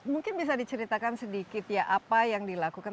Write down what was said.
mungkin bisa diceritakan sedikit ya apa yang dilakukan